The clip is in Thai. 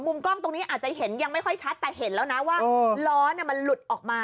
กล้องตรงนี้อาจจะเห็นยังไม่ค่อยชัดแต่เห็นแล้วนะว่าล้อมันหลุดออกมา